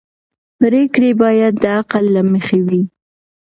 پرېکړې باید د عقل له مخې وي